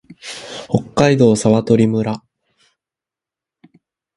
北海道蘂取村